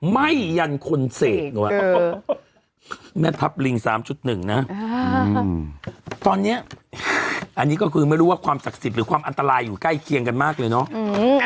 ไม่ยันคนเสกแม่ทัพลิง๓๑นะตอนนี้อันนี้ก็คือไม่รู้ว่าความศักดิ์สิทธิ์หรือความอันตรายอยู่ใกล้เคียงกันมากเลยเนาะ